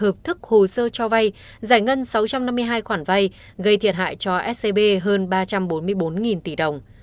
hợp thức hồ sơ cho vay giải ngân sáu trăm năm mươi hai khoản vay gây thiệt hại cho scb hơn ba trăm bốn mươi bốn tỷ đồng